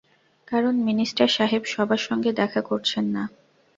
কারণ মিনিস্টার সাহেব সবার সঙ্গে দেখা করছেন না!